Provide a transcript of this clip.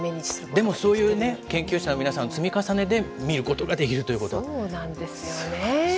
でもそういうね、研究者の皆さん、積み重ねで見ることができそうなんですよね。